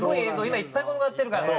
今いっぱい転がってるから。